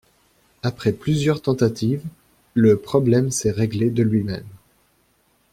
Après plusieurs tentatives, le problème s'est réglé de lui-même.